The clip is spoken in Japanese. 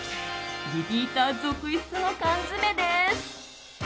リピーター続出の缶詰です。